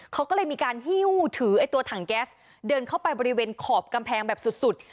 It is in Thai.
เขาก็เลยมีการหิ้วถือไอ้ตัวถังแก๊สเดินเข้าไปบริเวณขอบกำแพงแบบสุด